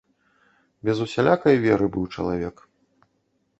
Без усялякай веры быў чалавек.